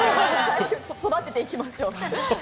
育てていきましょう。